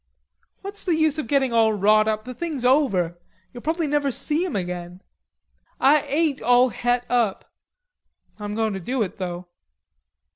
"What's the use of getting all wrought up. The thing's over. You'll probably never see him again." "Ah ain't all het up.... Ah'm goin' to do it though."